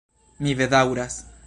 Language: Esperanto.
Mi bedaŭras!